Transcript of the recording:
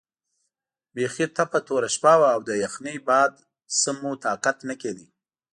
بیخي تپه توره شپه وه او له یخنۍ باد نه مو طاقت نه کېده.